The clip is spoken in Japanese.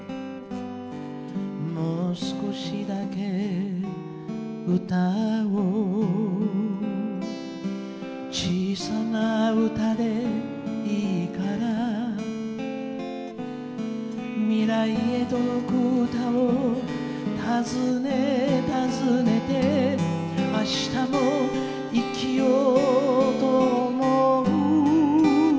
「もう少しだけ歌おう小さな歌で良いから」「未来へ届く歌を尋ね尋ねて明日も生きようと思う」